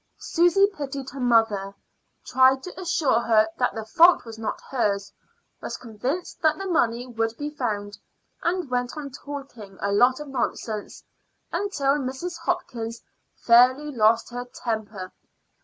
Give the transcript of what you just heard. Susy pitied her mother, tried to assure her that the fault was not hers, was convinced that the money would be found, and went on talking a lot of nonsense until Mrs. Hopkins fairly lost her temper.